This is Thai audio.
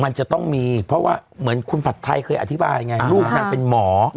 มันจะต้องมีเพราะว่าเหมือนคุณผัดไทยเคยอธิบายไงลูกนางเป็นหมอ